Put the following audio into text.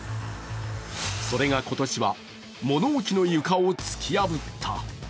それが今年は物置の床を突き破った。